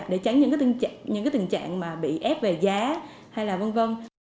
để tránh những tình trạng mà bị ép về giá hay là v v